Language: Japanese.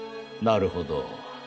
なるほど。